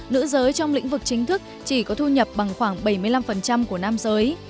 nữ giới trong lĩnh vực chính thức chỉ có thu nhập bằng khoảng bảy mươi năm của nam giới